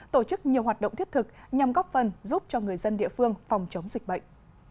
tổ chức nhiều hoạt động thiết thực nhằm góp phần giúp cho người dân địa phương phòng chống dịch bệnh